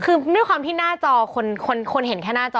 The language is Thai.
คือด้วยความที่หน้าจอคนเห็นแค่หน้าจอ